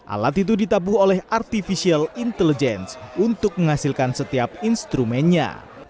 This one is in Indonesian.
alat itu ditabuh oleh artificial intelligence untuk menghasilkan setiap instrumennya